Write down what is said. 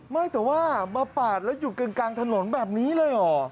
ไม่แต่ว่ามาปาดแล้วหยุดกันกลางถนนแบบนี้เลยเหรอ